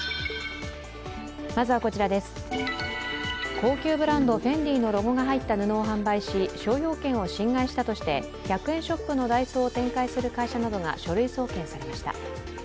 高級ブランド、ＦＥＮＤＩのロゴが入った布を販売し、商標権を侵害したとして１００円ショップのダイソーを展開する会社などが書類送検されました。